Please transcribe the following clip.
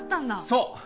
そう！